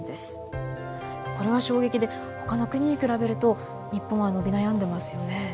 これは衝撃でほかの国に比べると日本は伸び悩んでますよね。